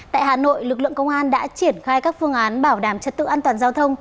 tại hà nội lực lượng công an đã triển khai các phương án bảo đảm trật tự an toàn giao thông